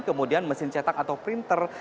kemudian mesin cetak atau printer